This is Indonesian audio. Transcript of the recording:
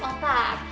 salah satunya ini nih